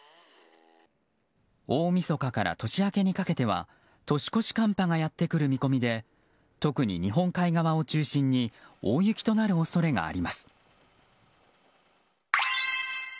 大みそかから年明けにかけては年越し寒波がやってくる見込みで特に日本海側を中心に大雪となる恐れがあります。